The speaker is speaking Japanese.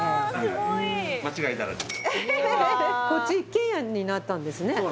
一軒家になったんですね。